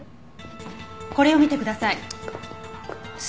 これを見てください。